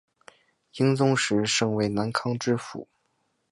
英宗时升为南康知府。